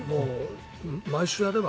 毎週やれば？